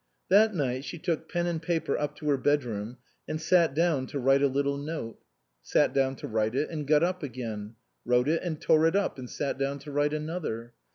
That night she took pen and paper up to her bedroom and sat down to write a little note. Sat down to write it and got up again ; wrote it and tore it up, and sat down to write another.